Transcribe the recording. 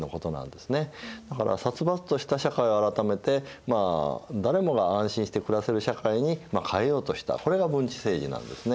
だから殺伐とした社会を改めてまあ誰もが安心して暮らせる社会に変えようとしたこれが文治政治なんですね。